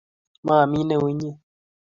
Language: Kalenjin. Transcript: Mamii neu inyee